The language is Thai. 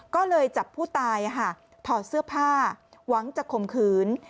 ก็เลยจับผู้ตายถอดเสื้อผ้าหวังจะข่มขืน